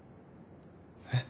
えっ！？